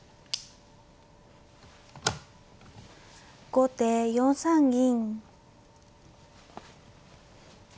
後手４三銀。